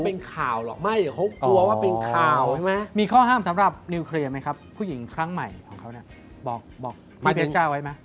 เขาก็เป็นข่าวหรอกเขากลัวว่าเป็นข่าวใช่ไหม